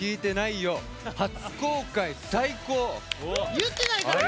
言ってないからね。